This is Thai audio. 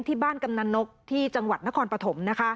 ที่บ้านกำหนังนกที่จังหวัดนครปฐม